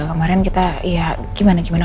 kemarin kita ya gimana gimana